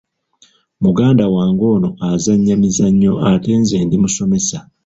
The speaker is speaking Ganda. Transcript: Muganda wange ono azannya mizannyo ate nze ndi musomesa.